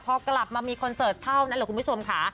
พอกลับมามีคอนเซิร์ตเท่านั้นเหลือคุณวิทยบสวมค่ะ